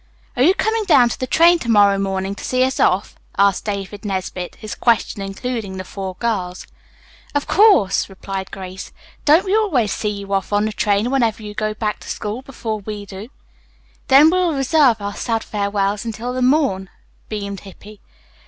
"Are you coming down to the train to morrow morning to see us off?" asked David Nesbit, his question including the four girls. "Of course," replied Grace. "Don't we always see you off on the train whenever you go back to school before we do?" "Then we'll reserve our sad farewells until the morn," beamed Hippy.